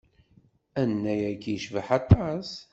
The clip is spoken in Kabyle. Annay-agi icbeḥ aṭas.